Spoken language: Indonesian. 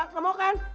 kau mau kan